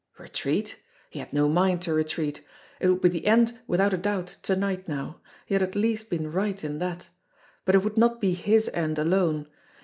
Retreat ! He had no mind to retreat. It would be the end without a doubt to night now ; he had at least been right in that. But it would not be his end alone.